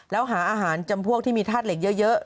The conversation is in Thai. แล้วหาอาหารจำพวกที่มีธาตุเหล็กเยอะ